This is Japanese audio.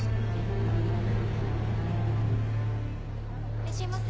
・いらっしゃいませ。